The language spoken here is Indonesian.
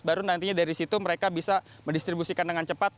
baru nantinya dari situ mereka bisa mendistribusikan dengan cepat